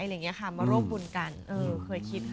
อะไรอย่างเงี้ยค่ะมารบบุญกันเออเคยคิด